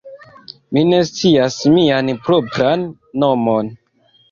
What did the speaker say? mi ne scias mian propran nomon.